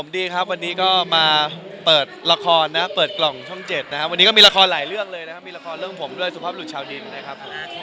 ทำให้ดูตัวเด็กของเราสูงประบาดครับ